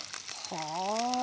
はあ。